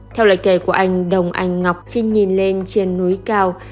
theo lời kể của anh đồng anh ngọc khi nhìn lên trên núi cao